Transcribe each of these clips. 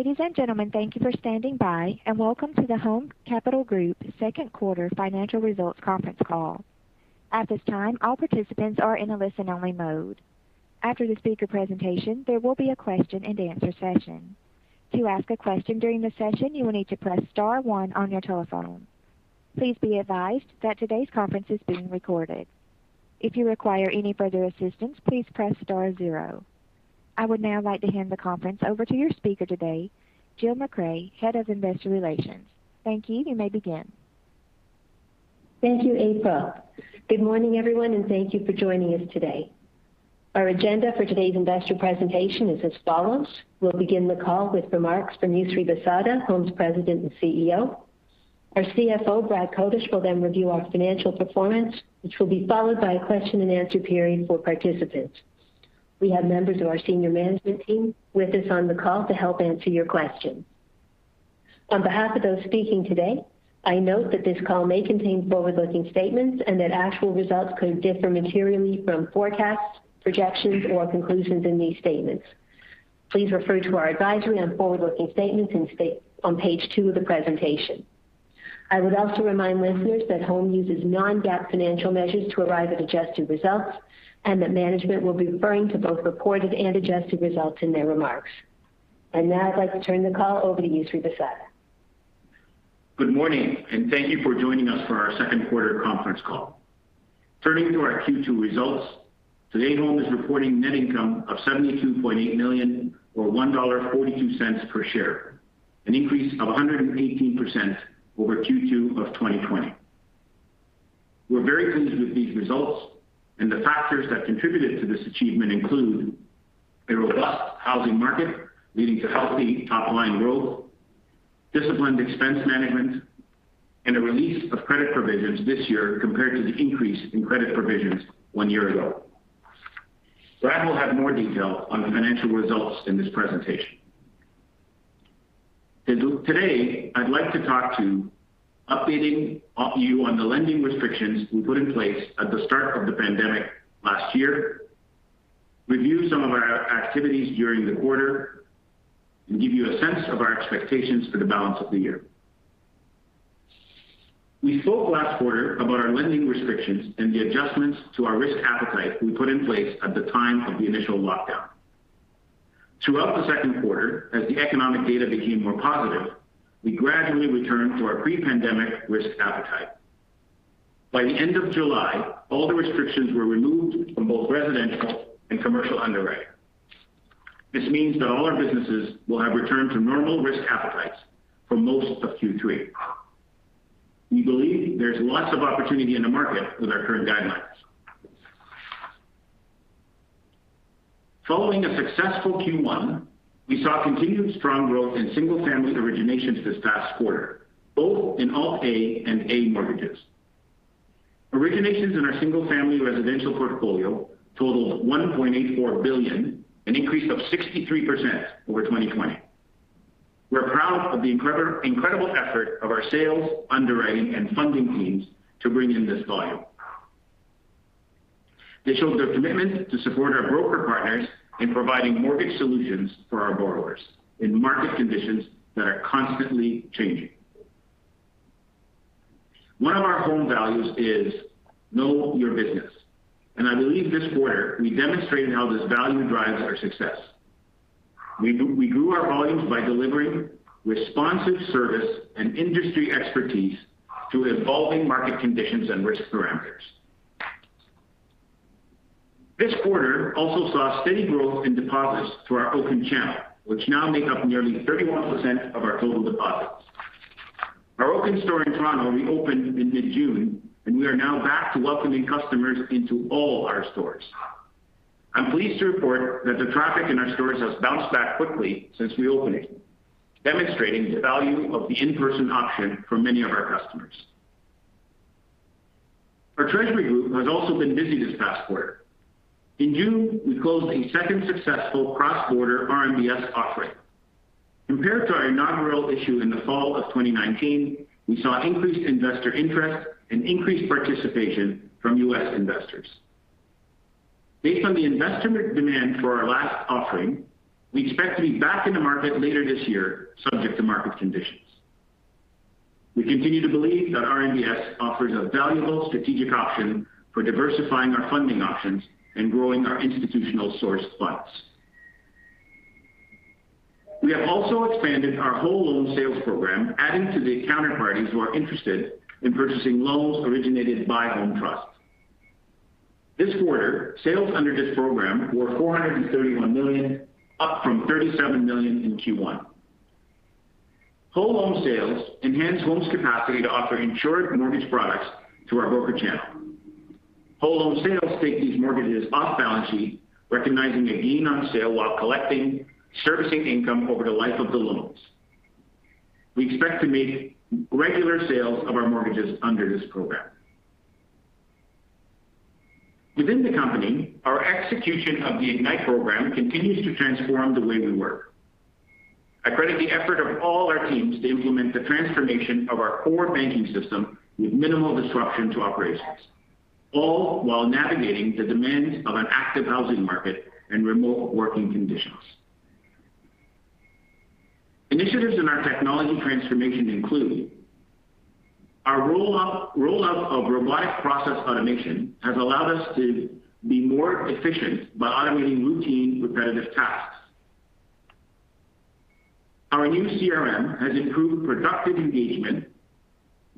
Ladies and gentlemen, thank you for standing by, and welcome to the Home Capital Group Second Quarter Financial Results Conference Call. At this time, all participants are in a listen-only mode. After the speaker presentation, there will be a question and answer session. To ask a question during the session, you will need to press star one on your telephone. Please be advised that today's conference is being recorded. If you require any further assistance, please press star zero. I would now like to hand the conference over to your speaker today, Jill MacRae, Head of Investor Relations. Thank you. You may begin. Thank you, April. Good morning, everyone. Thank you for joining us today. Our agenda for today's investor presentation is as follows. We will begin the call with remarks from Yousry Bissada, Home's President and CEO. Our CFO, Brad Kotush, will review our financial performance, which will be followed by a question and answer period for participants. We have members of our senior management team with us on the call to help answer your questions. On behalf of those speaking today, I note that this call may contain forward-looking statements that actual results could differ materially from forecasts, projections, or conclusions in these statements. Please refer to our advisory on forward-looking statements on page two of the presentation. I would also remind listeners that Home uses non-GAAP financial measures to arrive at adjusted results, that management will be referring to both reported and adjusted results in their remarks. Now I'd like to turn the call over to Yousry Bissada. Good morning, thank you for joining us for our second quarter conference call. Turning to our Q2 results, today Home is reporting net income of 72.8 million, or 1.42 dollar per share, an increase of 118% over Q2 2020. We're very pleased with these results, the factors that contributed to this achievement include a robust housing market leading to healthy top-line growth, disciplined expense management, and a release of credit provisions this year compared to the increase in credit provisions one year ago. Brad will have more detail on the financial results in this presentation. Today, I'd like to talk to updating you on the lending restrictions we put in place at the start of the pandemic last year, review some of our activities during the quarter, and give you a sense of our expectations for the balance of the year. We spoke last quarter about our lending restrictions and the adjustments to our risk appetite we put in place at the time of the initial lockdown. Throughout the second quarter, as the economic data became more positive, we gradually returned to our pre-pandemic risk appetite. By the end of July, all the restrictions were removed from both residential and commercial underwriting. This means that all our businesses will have returned to normal risk appetites for most of Q3. We believe there's lots of opportunity in the market with our current guidelines. Following a successful Q1, we saw continued strong growth in single-family originations this past quarter, both in Alt-A and A mortgages. Originations in our single-family residential portfolio totaled 1.84 billion, an increase of 63% over 2020. We're proud of the incredible effort of our sales, underwriting, and funding teams to bring in this volume. They showed their commitment to support our broker partners in providing mortgage solutions for our borrowers in market conditions that are constantly changing. One of our Home values is Know Your Business, and I believe this quarter we demonstrated how this value drives our success. We grew our volumes by delivering responsive service and industry expertise through evolving market conditions and risk parameters. This quarter also saw steady growth in deposits through our Oaken channel, which now make up nearly 31% of our total deposits. Our Oaken store in Toronto reopened in mid-June, and we are now back to welcoming customers into all our stores. I'm pleased to report that the traffic in our stores has bounced back quickly since reopening, demonstrating the value of the in-person option for many of our customers. Our treasury group has also been busy this past quarter. In June, we closed a second successful cross-border RMBS offering. Compared to our inaugural issue in the fall of 2019, we saw increased investor interest and increased participation from U.S. investors. Based on the investor demand for our last offering, we expect to be back in the market later this year, subject to market conditions. We continue to believe that RMBS offers a valuable strategic option for diversifying our funding options and growing our institutional source funds. We have also expanded our whole loan sales program, adding to the counterparties who are interested in purchasing loans originated by Home Trust. This quarter, sales under this program were 431 million, up from 37 million in Q1. Whole loan sales enhance Home's capacity to offer insured mortgage products to our broker channel. Whole loan sales take these mortgages off balance sheet, recognizing a gain on sale while collecting servicing income over the life of the loans. We expect to make regular sales of our mortgages under this program. Within the company, our execution of the Ignite program continues to transform the way we work. I credit the effort of all our teams to implement the transformation of our core banking system with minimal disruption to operations. All while navigating the demands of an active housing market and remote working conditions. Initiatives in our technology transformation include our rollout of robotic process automation has allowed us to be more efficient by automating routine repetitive tasks. Our new CRM has improved productive engagement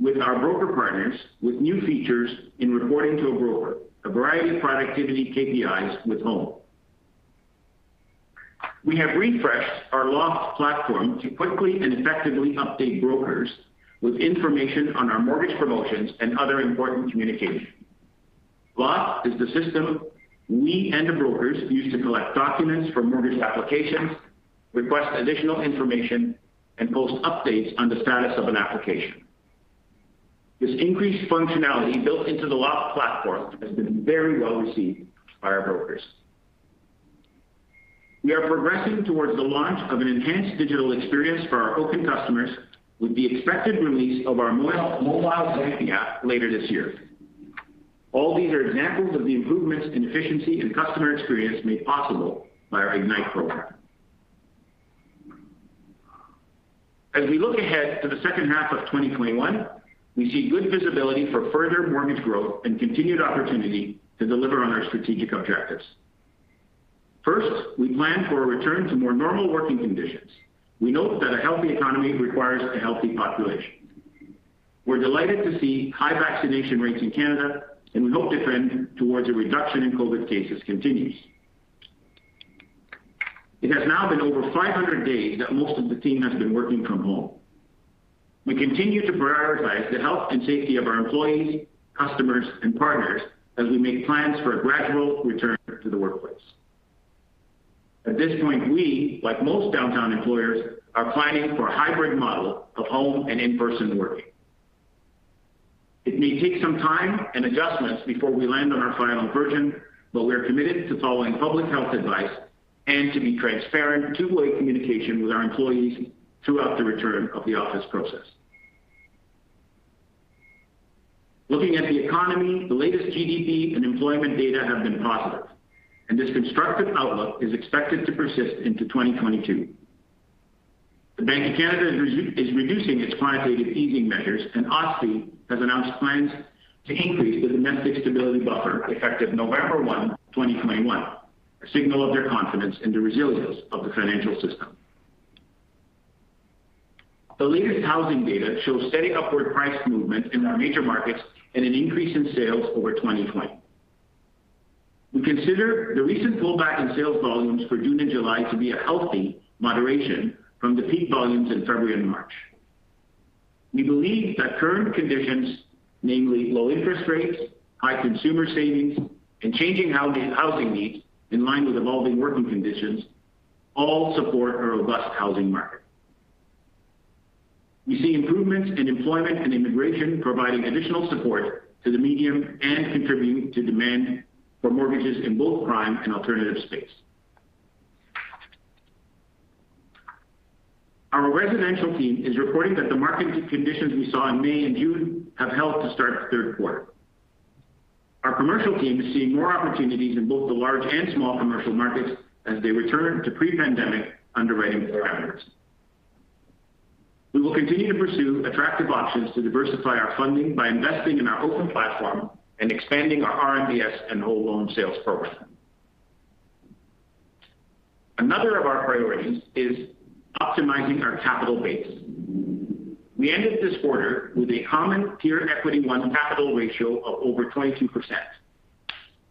with our broker partners with new features in reporting to a broker, a variety of productivity KPIs with Home. We have refreshed our Loft platform to quickly and effectively update brokers with information on our mortgage promotions and other important communication. Loft is the system we and the brokers use to collect documents for mortgage applications, request additional information, and post updates on the status of an application. This increased functionality built into the Loft platform has been very well received by our brokers. We are progressing towards the launch of an enhanced digital experience for our Oaken customers with the expected release of our mobile banking app later this year. All these are examples of the improvements in efficiency and customer experience made possible by our Ignite program. As we look ahead to the second half of 2021, we see good visibility for further mortgage growth and continued opportunity to deliver on our strategic objectives. First, we plan for a return to more normal working conditions. We note that a healthy economy requires a healthy population. We're delighted to see high vaccination rates in Canada, and we hope the trend towards a reduction in COVID cases continues. It has now been over 500 days that most of the team has been working from home. We continue to prioritize the health and safety of our employees, customers, and partners as we make plans for a gradual return to the workplace. At this point, we, like most downtown employers, are planning for a hybrid model of home and in-person working. It may take some time and adjustments before we land on our final version, but we're committed to following public health advice and to be transparent two-way communication with our employees throughout the return of the office process. Looking at the economy, the latest GDP and employment data have been positive, and this constructive outlook is expected to persist into 2022. The Bank of Canada is reducing its quantitative easing measures. OSFI has announced plans to increase the Domestic Stability Buffer effective November 1, 2021, a signal of their confidence in the resilience of the financial system. The latest housing data shows steady upward price movement in our major markets and an increase in sales over 2020. We consider the recent pullback in sales volumes for June and July to be a healthy moderation from the peak volumes in February and March. We believe that current conditions, namely low interest rates, high consumer savings, and changing housing needs in line with evolving working conditions all support a robust housing market. We see improvements in employment and immigration providing additional support to the medium and contributing to demand for mortgages in both prime and alternative space. Our residential team is reporting that the market conditions we saw in May and June have held to start the third quarter. Our commercial team is seeing more opportunities in both the large and small commercial markets as they return to pre-pandemic underwriting parameters. We will continue to pursue attractive options to diversify our funding by investing in our Oaken platform and expanding our RMBS and whole loan sales program. Another of our priorities is optimizing our capital base. We ended this quarter with a common Tier 1 equity capital ratio of over 22%.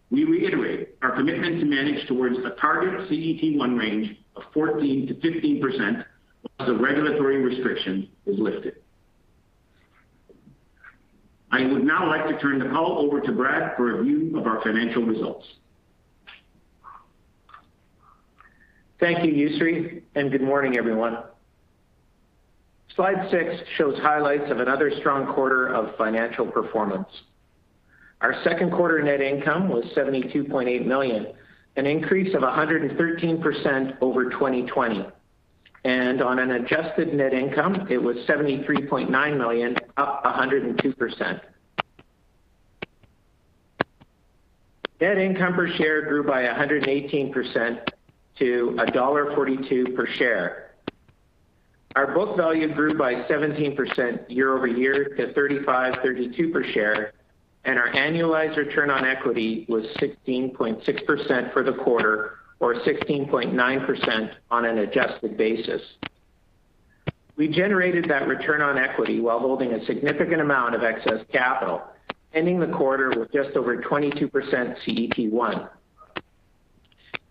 We reiterate our commitment to manage towards a target CET1 range of 14%-15% once the regulatory restriction is lifted. I would now like to turn the call over to Brad for a review of our financial results. Thank you, Yousry, good morning, everyone. Slide six shows highlights of another strong quarter of financial performance. Our second quarter net income was 72.8 million, an increase of 113% over 2020. On an adjusted net income, it was 73.9 million, up 102%. Net income per share grew by 118% to dollar 1.42 per share. Our book value grew by 17% year-over-year to 35.32 per share. Our annualized return on equity was 16.6% for the quarter or 16.9% on an adjusted basis. We generated that return on equity while holding a significant amount of excess capital, ending the quarter with just over 22% CET1.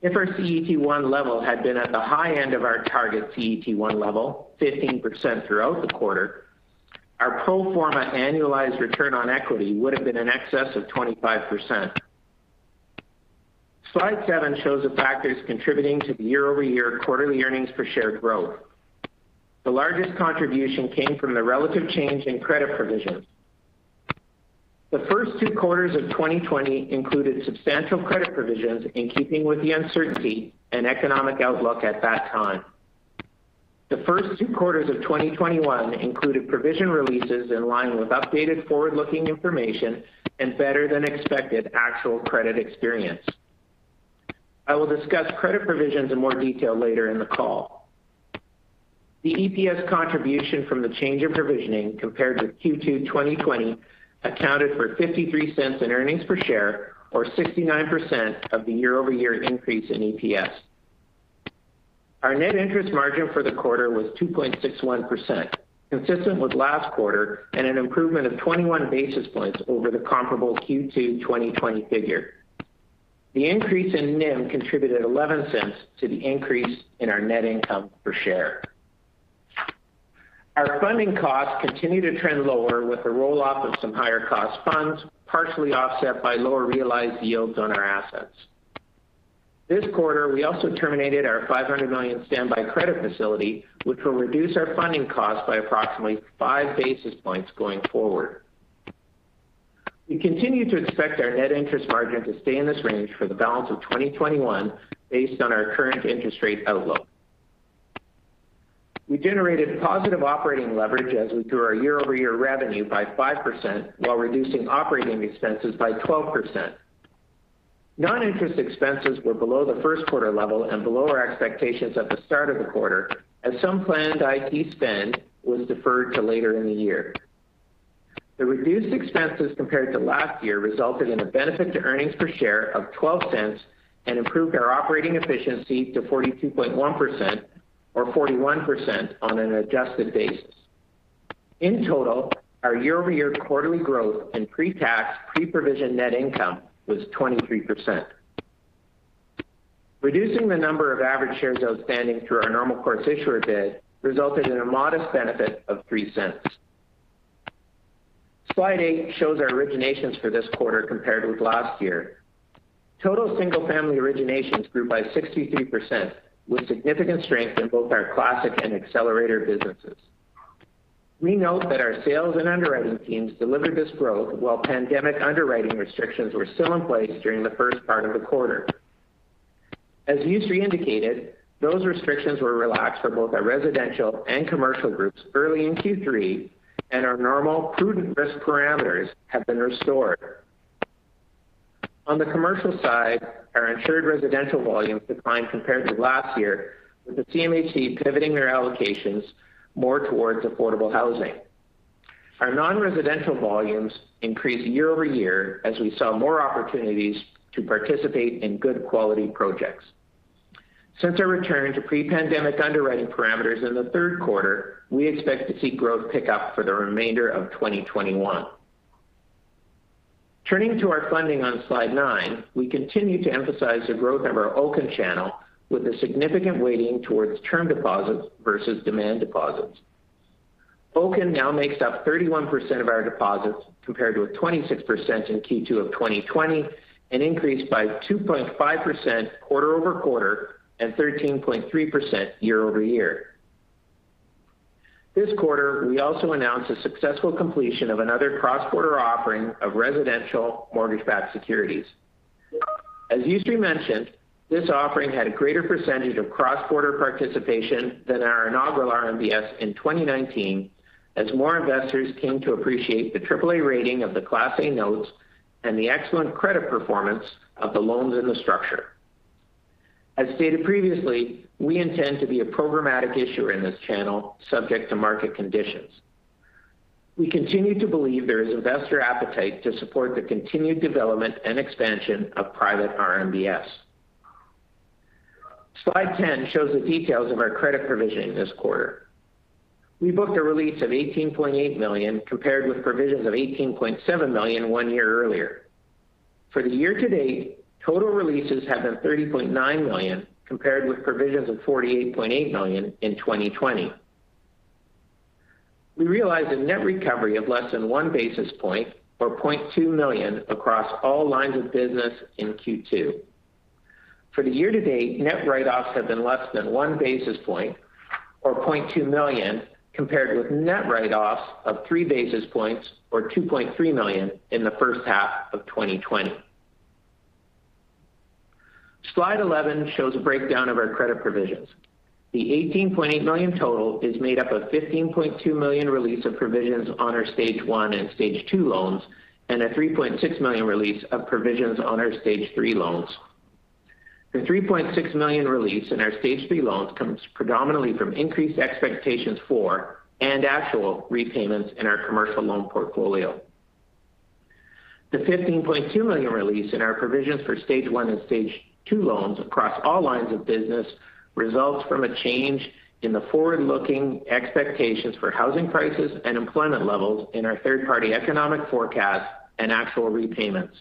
If our CET1 level had been at the high end of our target CET1 level, 15% throughout the quarter, our pro forma annualized return on equity would have been in excess of 25%. Slide seven shows the factors contributing to the year-over-year quarterly earnings per share growth. The largest contribution came from the relative change in credit provisions. The first two quarters of 2020 included substantial credit provisions in keeping with the uncertainty and economic outlook at that time. The first two quarters of 2021 included provision releases in line with updated forward-looking information and better than expected actual credit experience. I will discuss credit provisions in more detail later in the call. The EPS contribution from the change in provisioning compared with Q2 2020 accounted for 0.53 in earnings per share or 69% of the year-over-year increase in EPS. Our net interest margin for the quarter was 2.61%, consistent with last quarter and an improvement of 21 basis points over the comparable Q2 2020 figure. The increase in NIM contributed 0.11 to the increase in our net income per share. Our funding costs continue to trend lower with the roll-off of some higher cost funds, partially offset by lower realized yields on our assets. This quarter, we also terminated our 500 million standby credit facility, which will reduce our funding costs by approximately five basis points going forward. We continue to expect our net interest margin to stay in this range for the balance of 2021 based on our current interest rate outlook. We generated positive operating leverage as we grew our year-over-year revenue by 5% while reducing operating expenses by 12%. Non-interest expenses were below the first quarter level and below our expectations at the start of the quarter, as some planned IT spend was deferred to later in the year. The reduced expenses compared to last year resulted in a benefit to earnings per share of 0.12 and improved our operating efficiency to 42.1% or 41% on an adjusted basis. In total, our year-over-year quarterly growth in pre-tax, pre-provision net income was 23%. Reducing the number of average shares outstanding through our normal course issuer bid resulted in a modest benefit of 0.03. Slide eight shows our originations for this quarter compared with last year. Total single-family originations grew by 63% with significant strength in both our Classic and Accelerator businesses. We note that our sales and underwriting teams delivered this growth while pandemic underwriting restrictions were still in place during the first part of the quarter. As Yousry indicated, those restrictions were relaxed for both our residential and commercial groups early in Q3, and our normal prudent risk parameters have been restored. On the commercial side, our insured residential volumes declined compared to last year with the CMHC pivoting their allocations more towards affordable housing. Our non-residential volumes increased year-over-year as we saw more opportunities to participate in good quality projects. Since our return to pre-pandemic underwriting parameters in the third quarter, we expect to see growth pick up for the remainder of 2021. Turning to our funding on slide nine, we continue to emphasize the growth of our Oaken channel with a significant weighting towards term deposits versus demand deposits. Oaken now makes up 31% of our deposits compared with 26% in Q2 of 2020 and increased by 2.5% quarter-over-quarter and 13.3% year-over-year. This quarter, we also announced the successful completion of another cross-border offering of residential mortgage-backed securities. As Yousry mentioned, this offering had a greater percentage of cross-border participation than our inaugural RMBS in 2019, as more investors came to appreciate the AAA rating of the class A notes and the excellent credit performance of the loans in the structure. As stated previously, we intend to be a programmatic issuer in this channel subject to market conditions. We continue to believe there is investor appetite to support the continued development and expansion of private RMBS. Slide 10 shows the details of our credit provisioning this quarter. We booked a release of 18.8 million compared with provisions of 18.7 million one year earlier. For the year to date, total releases have been 30.9 million compared with provisions of 48.8 million in 2020. We realized a net recovery of less than 1 basis point or 0.2 million across all lines of business in Q2. For the year to date, net write-offs have been less than 1 basis point or 0.2 million compared with net write-offs of 3 basis points or 2.3 million in the first half of 2020. Slide 11 shows a breakdown of our credit provisions. The 18.8 million total is made up of 15.2 million release of provisions on our stage one and stage two loans, and a 3.6 million release of provisions on our stage three loans. The 3.6 million release in our stage three loans comes predominantly from increased expectations for and actual repayments in our commercial loan portfolio. The 15.2 million release in our provisions for stage one and stage two loans across all lines of business results from a change in the forward-looking expectations for housing prices and employment levels in our third-party economic forecast and actual repayments.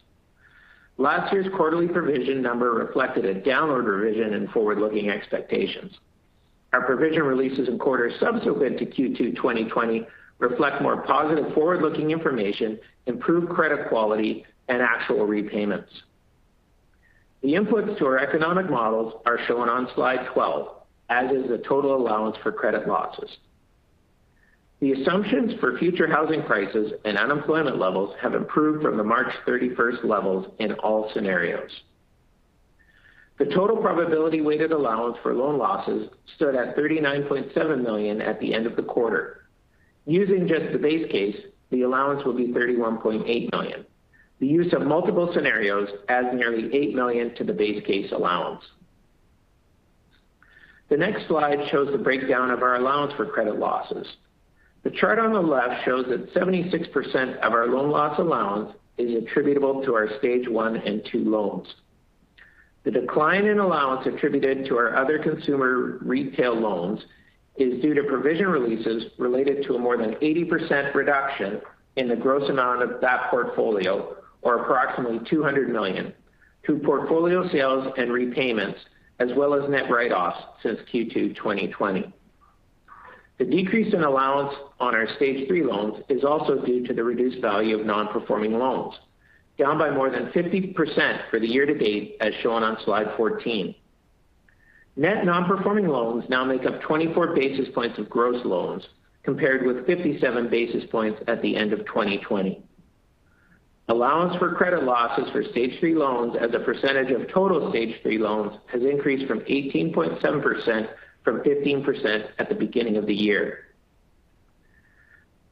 Last year's quarterly provision number reflected a downward revision in forward-looking expectations. Our provision releases in quarters subsequent to Q2 2020 reflect more positive forward-looking information, improved credit quality, and actual repayments. The inputs to our economic models are shown on slide 12, as is the total allowance for credit losses. The assumptions for future housing prices and unemployment levels have improved from the March 31st levels in all scenarios. The total probability weighted allowance for loan losses stood at 39.7 million at the end of the quarter. Using just the base case, the allowance will be 31.8 million. The use of multiple scenarios adds nearly 8 million to the base case allowance. The next slide shows the breakdown of our allowance for credit losses. The chart on the left shows that 76% of our loan loss allowance is attributable to our stage one and two loans. The decline in allowance attributed to our other consumer retail loans is due to provision releases related to a more than 80% reduction in the gross amount of that portfolio, or approximately 200 million to portfolio sales and repayments as well as net write-offs since Q2 2020. The decrease in allowance on our stage three loans is also due to the reduced value of non-performing loans, down by more than 50% for the year to date as shown on slide 14. Net non-performing loans now make up 24 basis points of gross loans, compared with 57 basis points at the end of 2020. Allowance for credit losses for stage three loans as a percentage of total stage three loans has increased from 18.7% from 15% at the beginning of the year.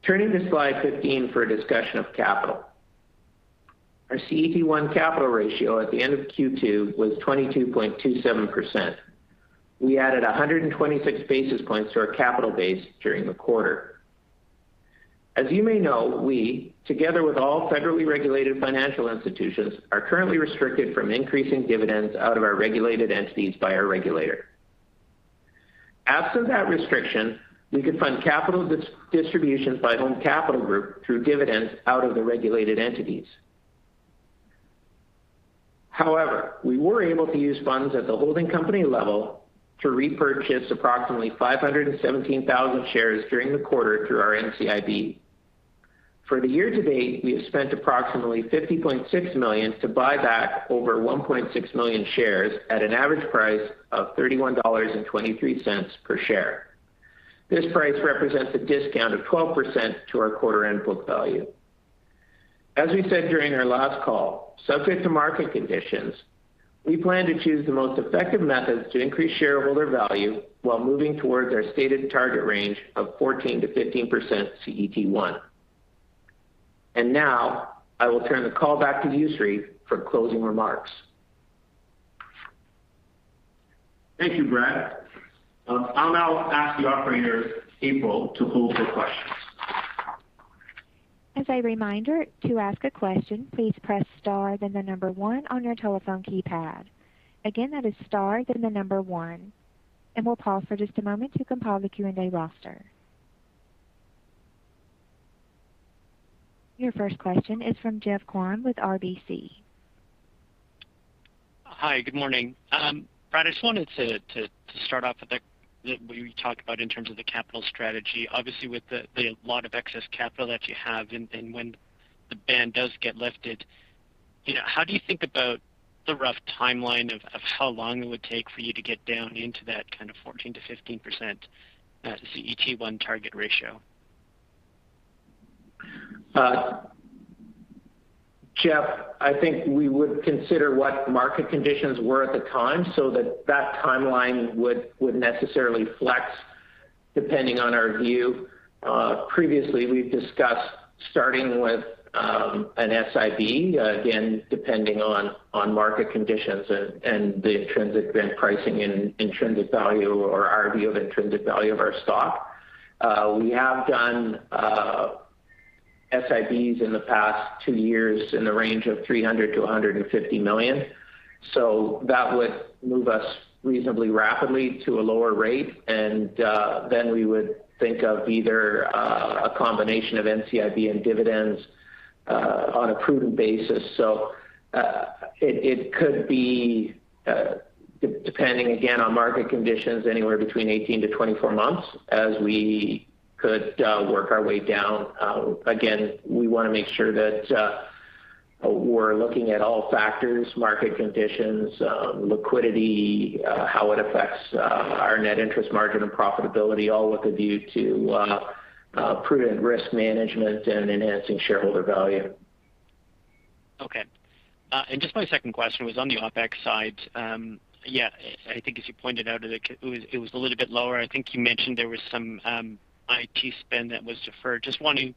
Turning to slide 15 for a discussion of capital. Our CET1 capital ratio at the end of Q2 was 22.27%. We added 126 basis points to our capital base during the quarter. As you may know, we, together with all federally regulated financial institutions, are currently restricted from increasing dividends out of our regulated entities by our regulator. Absent that restriction, we could fund capital distributions by Home Capital Group through dividends out of the regulated entities. However, we were able to use funds at the holding company level to repurchase approximately 517,000 shares during the quarter through our NCIB. For the year to date, we have spent approximately 50.6 million to buy back over 1.6 million shares at an average price of 31.23 dollars per share. This price represents a discount of 12% to our quarter-end book value. As we said during our last call, subject to market conditions, we plan to choose the most effective methods to increase shareholder value while moving towards our stated target range of 14%-15% CET1. Now I will turn the call back to Yousry for closing remarks. Thank you, Brad. I'll now ask the operator, April, to pull for questions. As a reminder, to ask a question, please press star, then the number one on your telephone keypad. Again, that is star, then the number one. We'll pause for just a moment to compile the Q&A roster. Your first question is from Geoff Kwan with RBC. Hi. Good morning. Brad, I just wanted to start off with what you talked about in terms of the capital strategy. Obviously, with the lot of excess capital that you have and when the ban does get lifted, how do you think about the rough timeline of how long it would take for you to get down into that kind of 14%-15% CET1 target ratio? Geoff, I think we would consider what market conditions were at the time so that that timeline would necessarily flex depending on our view. Previously, we've discussed starting with an SIB, again, depending on market conditions and the intrinsic risk pricing and intrinsic value or our view of intrinsic value of our stock. We have done SIBs in the past two years in the range of 300 million to 150 million. That would move us reasonably rapidly to a lower rate, and then we would think of either a combination of NCIB and dividends on a prudent basis. It could be, depending again on market conditions, anywhere between 18 to 24 months as we could work our way down. Again, we want to make sure that we're looking at all factors, market conditions, liquidity, how it affects our net interest margin and profitability, all with a view to prudent risk management and enhancing shareholder value. Okay. Just my second question was on the OpEx side. I think as you pointed out, it was a little bit lower. I think you mentioned there was some IT spend that was deferred. Just wanting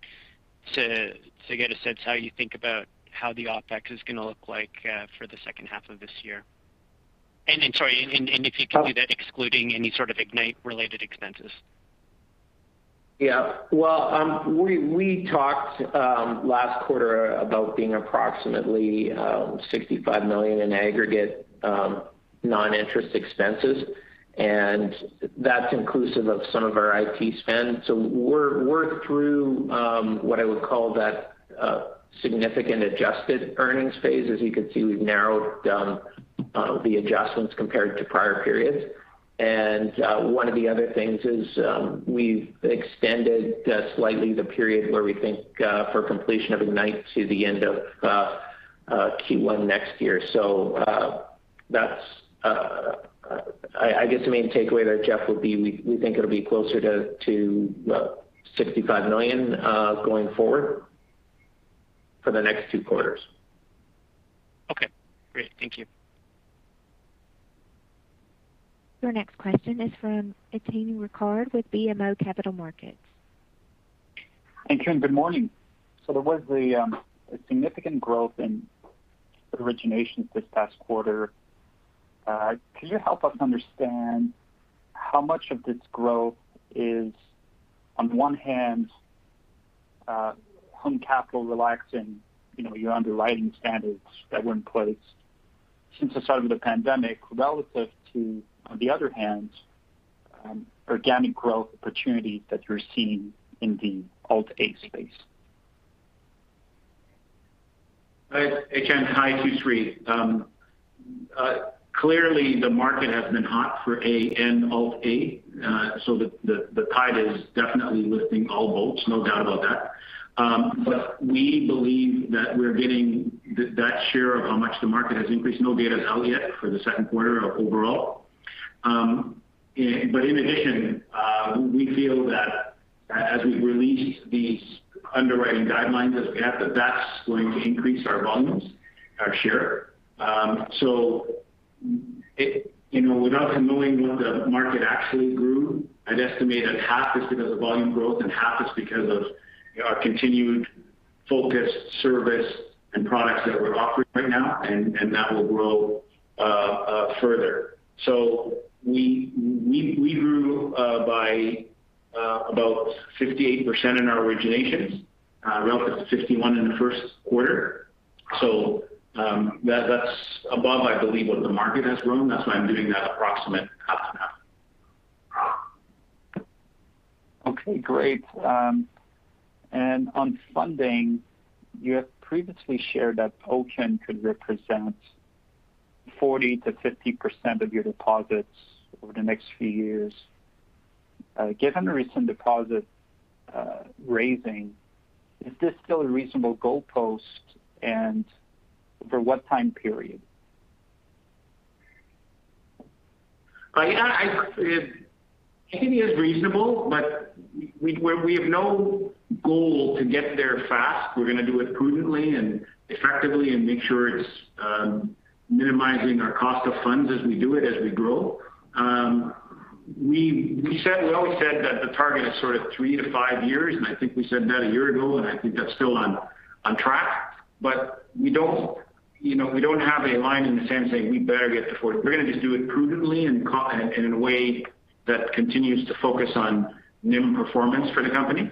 to get a sense how you think about how the OpEx is going to look like for the second half of this year. Sorry, if you can do that excluding any sort of Ignite-related expenses. Yeah. Well, we talked last quarter about being approximately 65 million in aggregate non-interest expenses. That's inclusive of some of our IT spend. We're through what I would call that significant adjusted earnings phase. As you can see, we've narrowed down the adjustments compared to prior periods. One of the other things is we've extended slightly the period where we think for completion of Ignite to the end of Q1 next year. That's, I guess the main takeaway there, Geoff, would be we think it'll be closer to 65 million going forward for the next two quarters. Okay, great. Thank you. Your next question is from Étienne Ricard with BMO Capital Markets. Thanks, good morning. There was a significant growth in originations this past quarter. Could you help us understand how much of this growth is, on one hand, Home Capital relaxing your underwriting standards that were in place since the start of the pandemic, relative to, on the other hand, organic growth opportunities that you're seeing in the Alt-A space? Hi Étienne. Hi, it's Yousry. Clearly the market has been hot for A and Alt-A, the tide is definitely lifting all boats, no doubt about that. We believe that we're getting that share of how much the market has increased. No data's out yet for the second quarter or overall. In addition, we feel that as we release these underwriting guidelines as we have, that that's going to increase our volumes, our share. Without knowing what the market actually grew, I'd estimate that half is because of volume growth and half is because of our continued focus, service, and products that we're offering right now. That will grow further. We grew by about 58% in our originations relative to 51 in the first quarter. That's above, I believe, what the market has grown. That's why I'm doing that approximate half and half. Okay, great. On funding, you have previously shared that Oaken Financial could represent 40%-50% of your deposits over the next few years. Given the recent deposit raising, is this still a reasonable goalpost, and for what time period? I think it is reasonable, but we have no goal to get there fast. We're going to do it prudently and effectively and make sure it's minimizing our cost of funds as we do it, as we grow. We always said that the target is sort of three to five years, and I think we said that a year ago, and I think that's still on track. We don't have a line in the sand saying we better get to 40. We're going to just do it prudently and in a way that continues to focus on NIM performance for the company.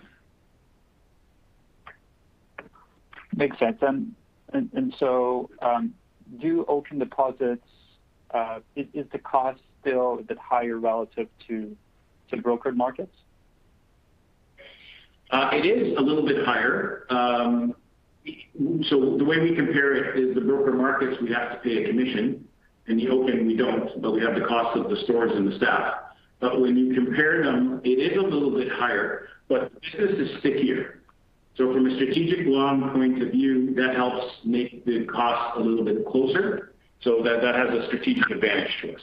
Makes sense. Do Oaken deposits, is the cost still a bit higher relative to brokered markets? It is a little bit higher. The way we compare it is the broker markets, we have to pay a commission. In the Oaken Financial, we don't, but we have the cost of the storage and the staff. When you compare them, it is a little bit higher, but this is stickier. From a strategic long point of view, that helps make the cost a little bit closer. That has a strategic advantage to us.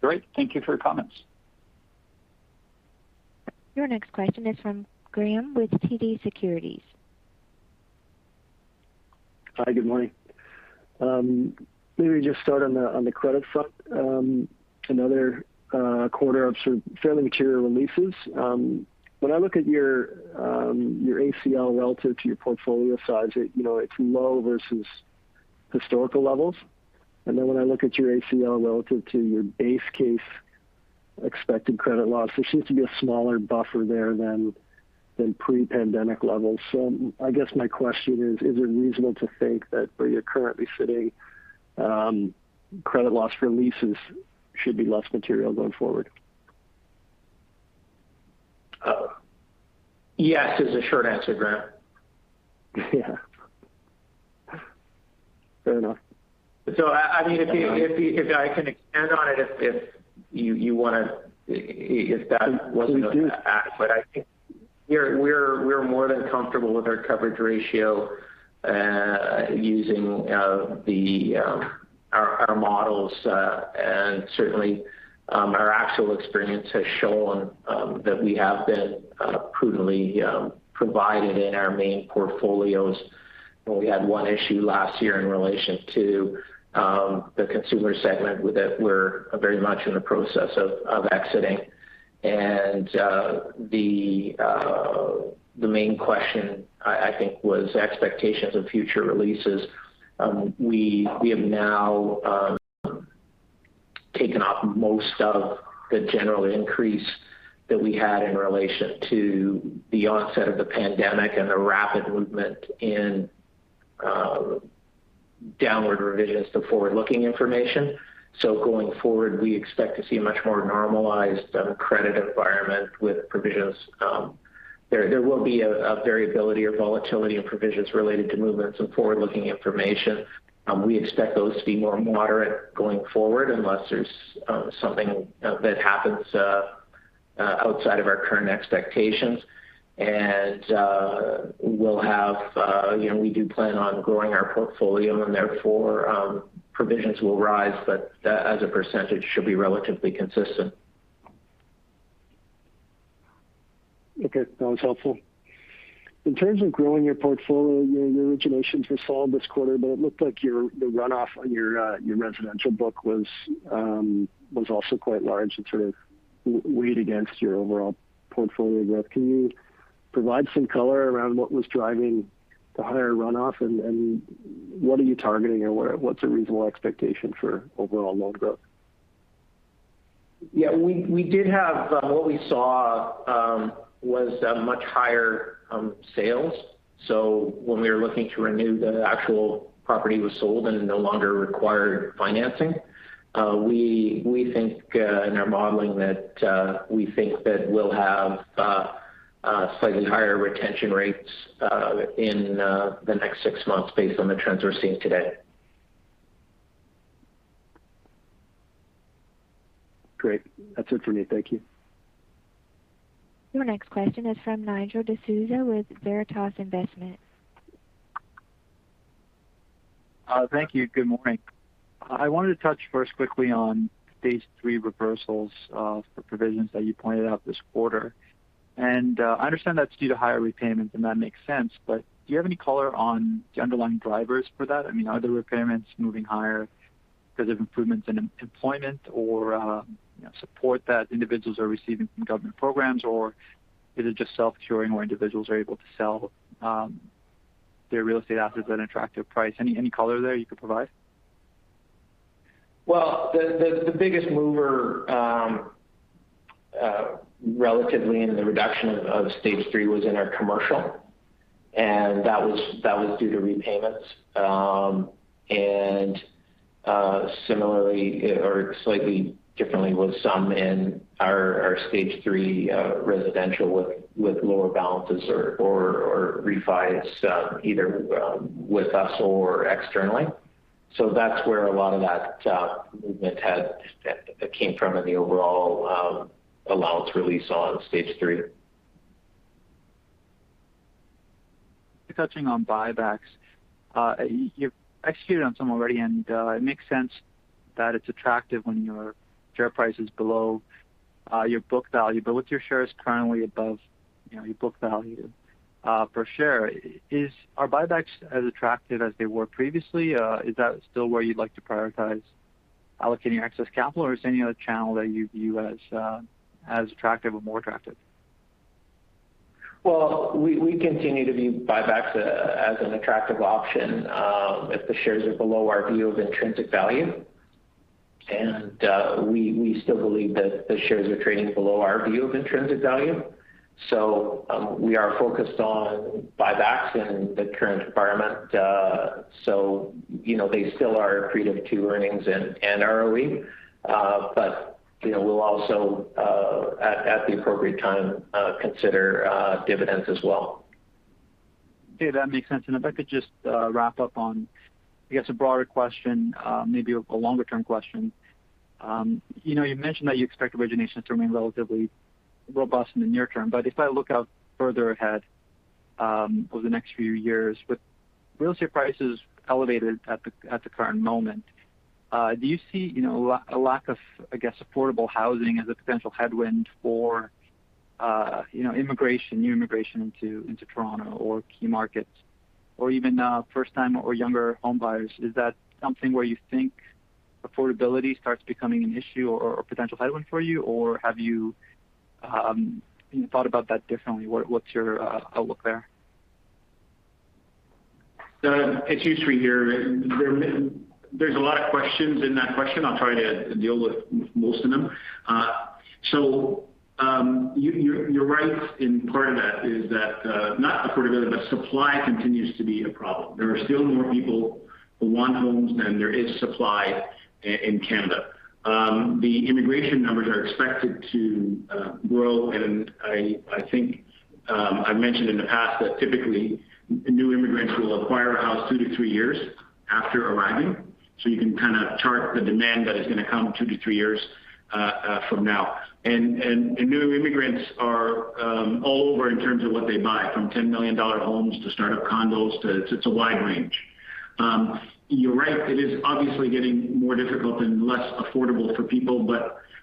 Great. Thank you for your comments. Your next question is from Graham with TD Securities. Hi, good morning. Maybe just start on the credit front. Another quarter of fairly material releases. When I look at your ACL relative to your portfolio size, it's low versus historical levels. When I look at your ACL relative to your base case expected credit loss, there seems to be a smaller buffer there than pre-pandemic levels. I guess my question is it reasonable to think that where you're currently sitting, credit loss releases should be less material going forward? Yes is the short answer, Graham. Yeah. Fair enough. If I can expand on it if you want to, if that wasn't adequate. Please do. I think we're more than comfortable with our coverage ratio using our models and certainly our actual experience has shown that we have been prudently provided in our main portfolios. We had one issue last year in relation to the consumer segment that we're very much in the process of exiting. The main question I think was expectations of future releases. We have now taken off most of the general increase that we had in relation to the onset of the pandemic and the rapid movement in downward revisions to forward-looking information. Going forward, we expect to see a much more normalized credit environment with provisions. There will be a variability or volatility in provisions related to movements in forward-looking information. We expect those to be more moderate going forward, unless there's something that happens Outside of our current expectations. We do plan on growing our portfolio and therefore provisions will rise, but as a percentage should be relatively consistent. Okay. That was helpful. In terms of growing your portfolio, your originations were solid this quarter, but it looked like the runoff on your residential book was also quite large and sort of weighed against your overall portfolio growth. Can you provide some color around what was driving the higher runoff and what are you targeting or what's a reasonable expectation for overall loan growth? Yeah. What we saw was much higher sales. When we were looking to renew, the actual property was sold and no longer required financing. In our modeling, we think that we'll have slightly higher retention rates in the next six months based on the trends we're seeing today. Great. That's it for me. Thank you. Your next question is from Nigel D'Souza with Veritas Investment. Thank you. Good morning. I wanted to touch first quickly on stage three reversals for provisions that you pointed out this quarter. I understand that's due to higher repayments, and that makes sense. Do you have any color on the underlying drivers for that? Are the repayments moving higher because of improvements in employment or support that individuals are receiving from government programs, or is it just self-curing where individuals are able to sell their real estate assets at an attractive price? Any color there you could provide? Well, the biggest mover relatively in the reduction of stage three was in our commercial and that was due to repayments. Slightly differently was some in our stage three residential with lower balances or refis, either with us or externally. That's where a lot of that movement came from in the overall allowance release on stage three. Touching on buybacks. You've executed on some already, and it makes sense that it's attractive when your share price is below your book value. With your shares currently above your book value per share, are buybacks as attractive as they were previously? Is that still where you'd like to prioritize allocating excess capital, or is there any other channel that you view as attractive or more attractive? We continue to view buybacks as an attractive option if the shares are below our view of intrinsic value. We still believe that the shares are trading below our view of intrinsic value. We are focused on buybacks in the current environment. They still are accretive to earnings and ROE. We'll also at the appropriate time consider dividends as well. Okay, that makes sense. If I could just wrap up on, I guess a broader question, maybe a longer-term question. You mentioned that you expect originations to remain relatively robust in the near term, but if I look out further ahead over the next few years, with real estate prices elevated at the current moment, do you see a lack of affordable housing as a potential headwind for new immigration into Toronto or key markets, or even first time or younger home buyers? Is that something where you think affordability starts becoming an issue or a potential headwind for you, or have you thought about that differently? What's your outlook there? It's Yousry here. There's a lot of questions in that question. I'll try to deal with most of them. You're right in part of that is that not affordability, but supply continues to be a problem. There are still more people who want homes than there is supply in Canada. The immigration numbers are expected to grow, and I think I've mentioned in the past that typically new immigrants will acquire a house two to three years after arriving. You can kind of chart the demand that is going to come two to three years from now. New immigrants are all over in terms of what they buy, from 10 million dollar homes to startup condos. It's a wide range. You're right, it is obviously getting more difficult and less affordable for people.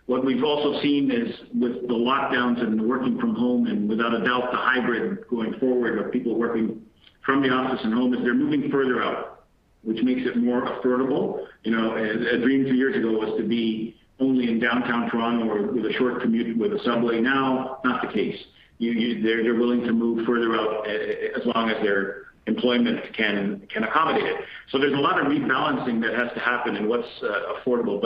What we've also seen is with the lockdowns and the working from home and without a doubt the hybrid going forward of people working from the office and home, is they're moving further out, which makes it more affordable. A dream two years ago was to be only in downtown Toronto with a short commute with a subway. Now, not the case. They're willing to move further out as long as their employment can accommodate it. There's a lot of rebalancing that has to happen in what's affordable.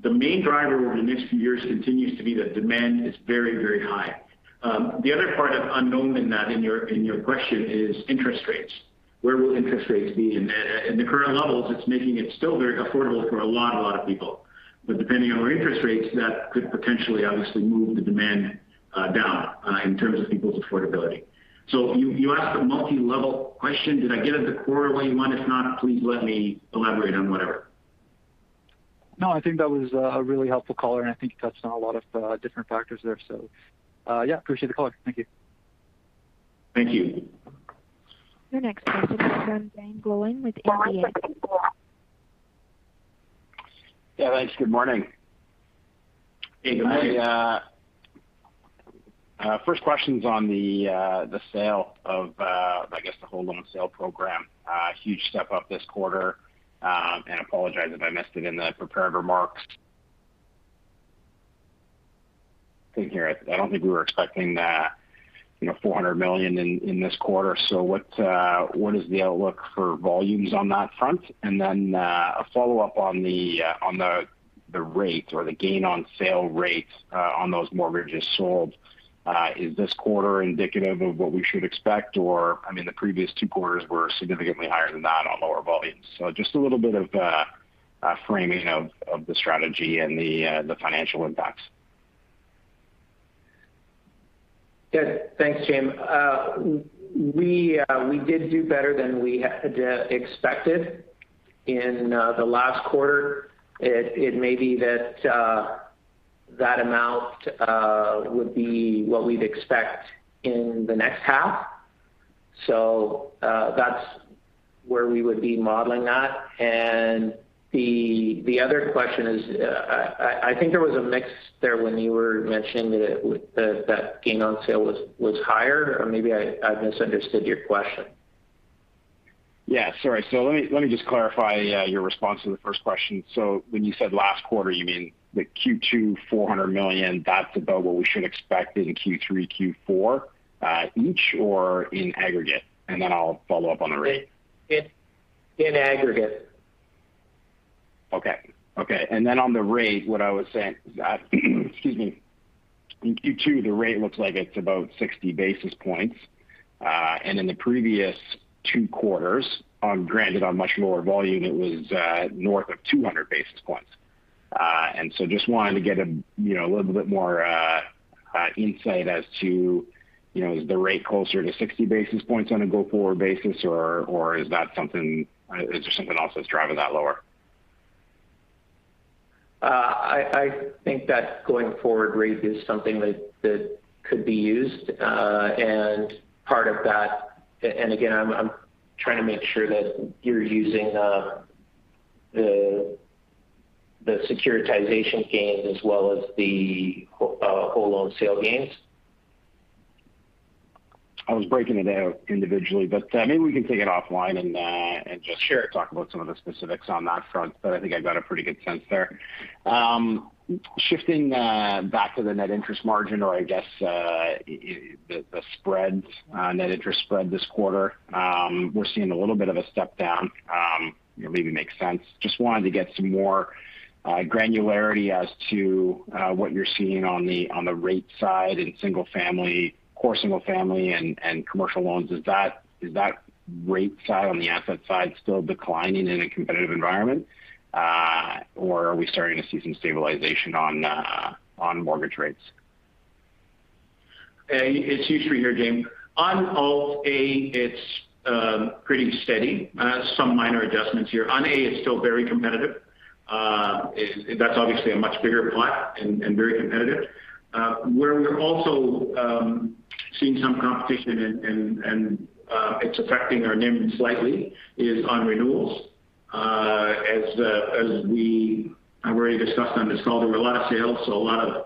The main driver over the next few years continues to be that demand is very high. The other part of unknown in your question is interest rates. Where will interest rates be? In the current levels, it's making it still very affordable for a lot of people. Depending on where interest rates, that could potentially obviously move the demand down in terms of people's affordability. You asked a multilevel question. Did I get at the core of what you want? If not, please let me elaborate on whatever. No, I think that was a really helpful color, and I think he touched on a lot of different factors there. Yeah, appreciate the call. Thank you. Thank you. Your next question comes from Jaeme Gloyn with NBF. Yeah, thanks. Good morning. Hey, good morning. First question's on the sale of, I guess the whole loan sale program. A huge step up this quarter. Apologize if I missed it in the prepared remarks. Thing here, I don't think we were expecting that 400 million in this quarter. What is the outlook for volumes on that front? Then, a follow-up on the rate or the gain on sale rates on those mortgages sold. Is this quarter indicative of what we should expect? I mean, the previous two quarters were significantly higher than that on lower volumes. Just a little bit of framing of the strategy and the financial impacts. Yeah. Thanks, Jaeme. We did do better than we had expected in the last quarter. It may be that amount would be what we'd expect in the next half. That's where we would be modeling that. The other question is, I think there was a mix there when you were mentioning that gain on sale was higher, or maybe I misunderstood your question. Yeah, sorry. Let me just clarify your response to the first question. When you said last quarter, you mean the Q2 400 million, that's about what we should expect in Q3, Q4, each or in aggregate? Then I'll follow up on the rate. In aggregate. Okay. On the rate, what I was saying, excuse me, in Q2, the rate looks like it's about 60 basis points. In the previous two quarters, granted on much lower volume, it was north of 200 basis points. Just wanted to get a little bit more insight as to, is the rate closer to 60 basis points on a go-forward basis or is there something else that's driving that lower? I think that going-forward rate is something that could be used. Part of that, again, I'm trying to make sure that you're using the securitization gains as well as the whole loan sale gains. I was breaking it out individually, but maybe we can take it offline. Sure talk about some of the specifics on that front, but I think I've got a pretty good sense there. Shifting back to the net interest margin or I guess the spreads, net interest spread this quarter. We're seeing a little bit of a step down. Maybe makes sense. Just wanted to get some more granularity as to what you're seeing on the rate side in core single family and commercial loans. Is that rate side on the asset side still declining in a competitive environment? Are we starting to see some stabilization on mortgage rates? It's Yousry here, Jaeme. On Alt-A, it's pretty steady. Some minor adjustments here. On A, it's still very competitive. That's obviously a much bigger pool and very competitive. Where we're also seeing some competition and it's affecting our NIM slightly is on renewals. As we already discussed on this call, there were a lot of sales, so a lot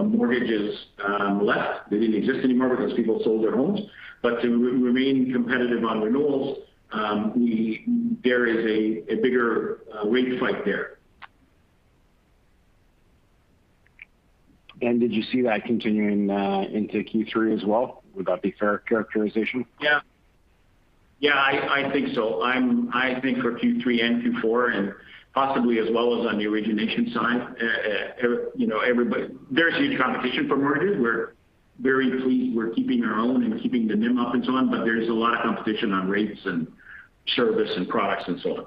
of mortgages left. They didn't exist anymore because people sold their homes. To remain competitive on renewals, there is a bigger rate fight there. Did you see that continuing into Q3 as well? Would that be fair characterization? Yeah. I think so. I think for Q3 and Q4, and possibly as well as on the origination side. There's huge competition for mortgages. We're very pleased we're keeping our own and keeping the NIM up and so on, but there's a lot of competition on rates and service and products and so on.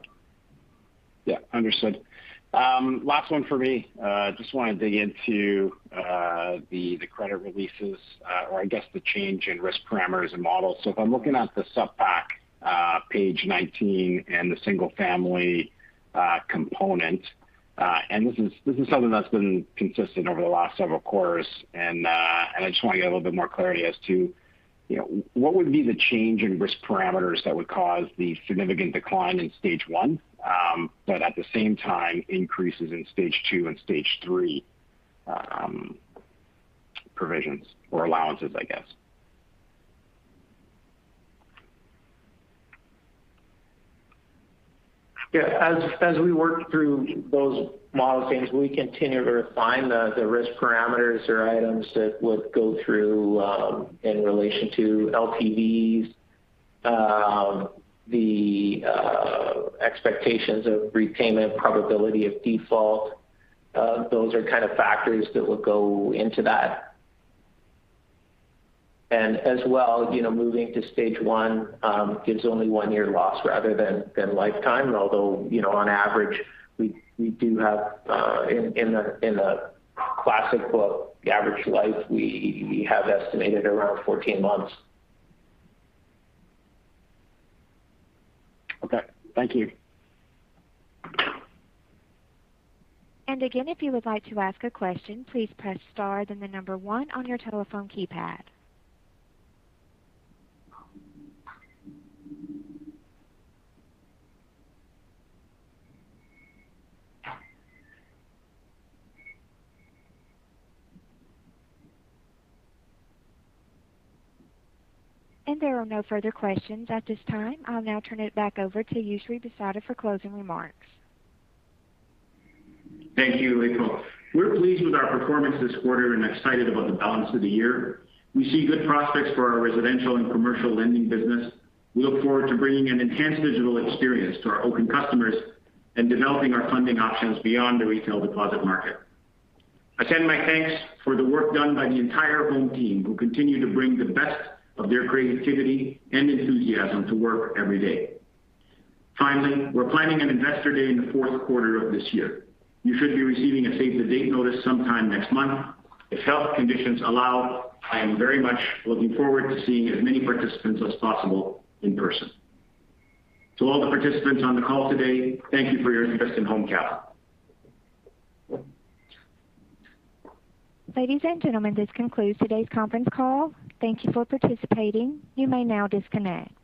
Yeah, understood. Last one for me. Just want to dig into the credit releases, or I guess the change in risk parameters and models. If I'm looking at the supp pack, page 19 and the single family component, and this is something that's been consistent over the last several quarters. I just want to get a little bit more clarity as to, what would be the change in risk parameters that would cause the significant decline in stage one, but at the same time increases in stage two and stage three provisions or allowances, I guess? Yeah. As we work through those model changes, we continue to refine the risk parameters or items that would go through in relation to LTVs, the expectations of repayment, probability of default. Those are kind of factors that would go into that. As well, moving to stage one gives only one year loss rather than lifetime. Although, on average, we do have in a Classic book, the average life, we have estimated around 14 months. Okay. Thank you. Again, if you would like to ask a question, please press star, then the number one on your telephone keypad. There are no further questions at this time. I'll now turn it back over to Yousry Bissada for closing remarks. Thank you, April. We're pleased with our performance this quarter and excited about the balance of the year. We see good prospects for our residential and commercial lending business. We look forward to bringing an enhanced digital experience to our Oaken customers and developing our funding options beyond the retail deposit market. I send my thanks for the work done by the entire Home team, who continue to bring the best of their creativity and enthusiasm to work every day. Finally, we're planning an investor day in the fourth quarter of this year. You should be receiving a save the date notice sometime next month. If health conditions allow, I am very much looking forward to seeing as many participants as possible in person. To all the participants on the call today, thank you for your interest in Home Capital. Ladies and gentlemen, this concludes today's conference call. Thank you for participating. You may now disconnect.